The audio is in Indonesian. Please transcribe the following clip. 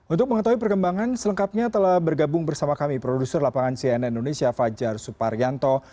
untuk mengetahui perkembangan selengkapnya telah bergabung bersama kami produser lapangan cnn indonesia fajar suparyanto